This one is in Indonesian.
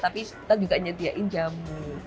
tapi kita juga nyediain jamu